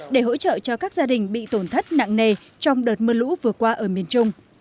để hỗ trợ cho các gia đình bị tổn thất nặng nề trong đợt mưa lũ vừa qua ở miền trung